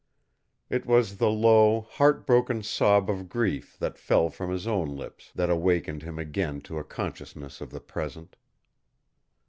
It was the low, heart broken sob of grief that fell from his own lips that awakened him again to a consciousness of the present.